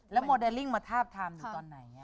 แล้วโมเดลลิ่งมาทาบทามอยู่ตอนไหน